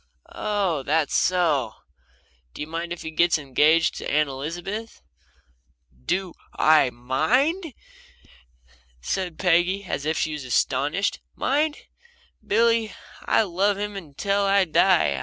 "Oh that's so! Do you mind if he gets engaged to Aunt Elizabeth?" "Do I MIND?" said Peggy, as if she was astonished. "Mind? Billy, I'll love him till I die.